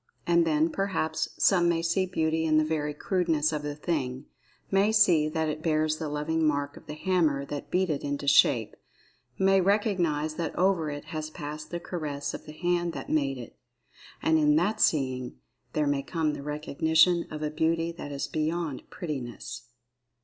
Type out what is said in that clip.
And, then, perhaps, some may see beauty in the very crudeness of the thing—may see that it bears the loving mark of the hammer that beat it into shape—may recognize that over it has passed the caress of the hand that made it—and in that seeing there may come the recognition of a beauty that is beyond "prettiness."